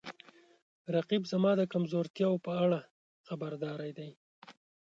رقیب زما د کمزورتیاو په اړه خبرداری دی